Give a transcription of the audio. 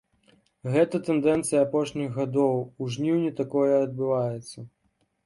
Гэта тэндэнцыя апошніх гадоў, у жніўні такое адбываецца.